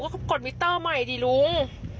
เขากดมิเตอร์ใหม่ดิลุง